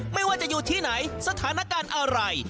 ไม่ว่าจะอยู่ที่ไหนสถานการณ์อะไร